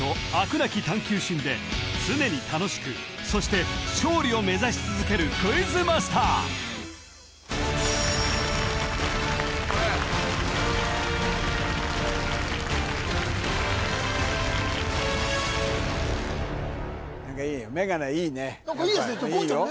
なき探究心で常に楽しくそして勝利を目指し続けるクイズマスター何かいいですね言ちゃんいいよ